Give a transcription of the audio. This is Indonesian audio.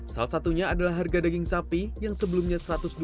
salah satunya adalah harga daging sapi yang sebelumnya rp satu ratus dua puluh